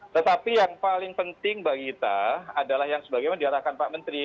tetapi yang paling penting bagi kita adalah yang sebagaimana diarahkan pak menteri